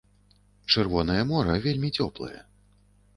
Чырвонае мора вельмі цёплае.